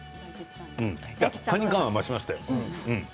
カニ感、増しましたよ。